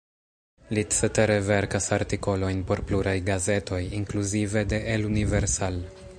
Li cetere verkas artikolojn por pluraj gazetoj, inkluzive de "El Universal".